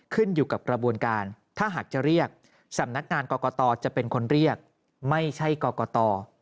ขึ้นอยู่กับกระบวนการถ้าหากจะเรียกสำนักงานกรกตจะเป็นคนเรียกไม่ใช่กรกต